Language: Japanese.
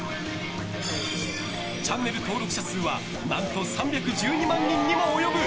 チャンネル登録者数は何と３１２万人にも及ぶ！